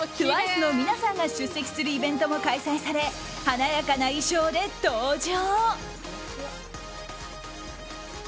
ＴＷＩＣＥのミナさんが出席するイベントも開催され華やかな衣装で登場。